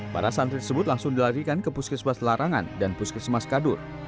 para santri tersebut langsung dilarikan ke puskesmas larangan dan puskesmas kadur